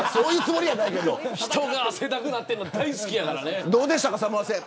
人が汗だくになってるの大好きやから。